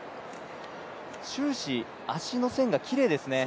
終始、脚の線がきれいですね。